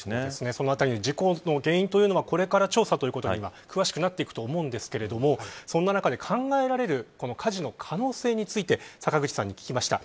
そのあたりの事故の原因というのはこれから調査ということで今、詳しくなっていくと思うんですけどそんな中で考えられる火事の可能性について坂口さんに聞きました。